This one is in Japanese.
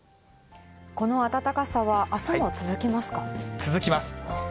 この暖かさは、あすも続きま続きます。